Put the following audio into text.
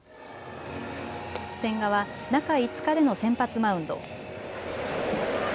千賀は中５日での先発マウンド。